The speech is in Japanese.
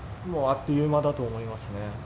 もうあっという間だと思いますね。